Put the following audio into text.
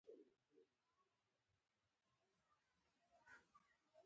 شریک او یوځای.